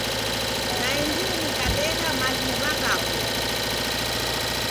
Naendie nikadegha maliw'a ghapo.